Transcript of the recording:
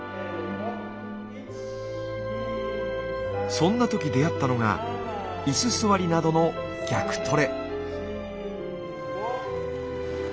そんなとき出会ったのがいす座りなどの逆トレ。